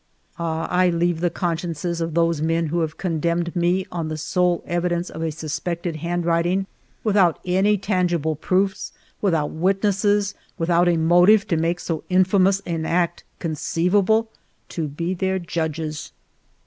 Ahj I leave the consciences of those men who have condemned me on the sole evidence of a suspected handwriting, without any tangible proofs, without witnesses, without a motive to make so infamous an act conceivable, to be their judges.